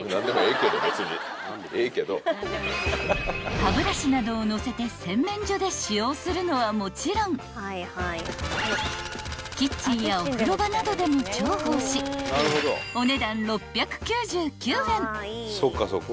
［歯ブラシなどを載せて洗面所で使用するのはもちろんキッチンやお風呂場などでも重宝しお値段］